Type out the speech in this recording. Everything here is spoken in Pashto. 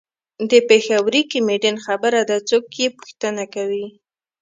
د پېښوري کمیډین خبره ده څوک یې پوښتنه کوي.